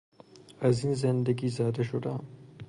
از این زندگی زده شدهام.